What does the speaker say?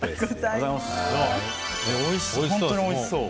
本当においしそう。